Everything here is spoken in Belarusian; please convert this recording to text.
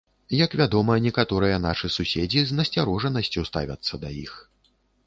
Як вядома, некаторыя нашы суседзі з насцярожанасцю ставяцца да іх.